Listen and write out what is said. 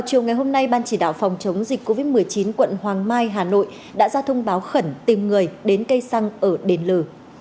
chiều ngày hôm nay ban chỉ đạo phòng chống dịch covid một mươi chín quận hoàng mai hà nội đã ra thông báo khẩn tìm người đến cây xăng ở đền lừ